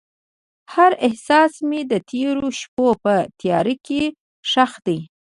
هر احساس مې د تیرو شپو په تیاره کې ښخ دی.